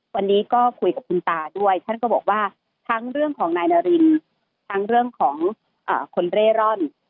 วันนี้ก็คุยกับคุณตาด้วยท่านก็บอกว่าทั้งเรื่องของนายนารินทั้งเรื่องของคนเร่ร่อน